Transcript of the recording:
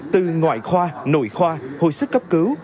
từ ngoại khoa nội khoa hồi sức cấp cứu